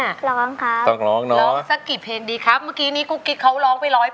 ร้องครับต้องร้องหน่อยร้องสักกี่เพลงดีครับเมื่อกี้นี้กุ๊กกิ๊กเขาร้องไปร้อยเปอร์